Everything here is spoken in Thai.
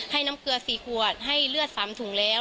น้ำเกลือ๔ขวดให้เลือด๓ถุงแล้ว